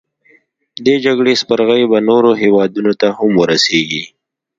دې جګړې سپرغۍ به نورو هیوادونو ته هم ورسیږي.